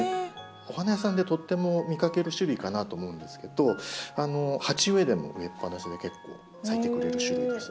お花屋さんでとっても見かける種類かなと思うんですけど鉢植えでも植えっぱなしで結構咲いてくれる種類ですね。